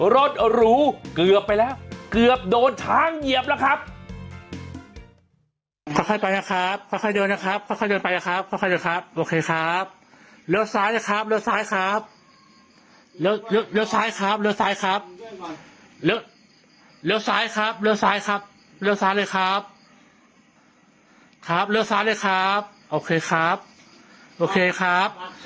รถหรูเกือบไปแล้วเกือบโดนทางเหยียบแล้วครับ